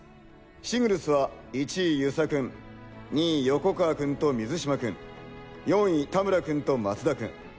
シングルスは１位遊佐君２位横川君と水嶋君４位田村君と松田君。